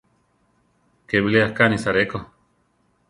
Ké bilé akánisa ré ko.